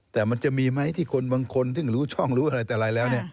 แต่มันจะมีไหมที่คนบางคนซึ่งรู้ช่องรู้อะไรแต่ไรแล้วเนี่ย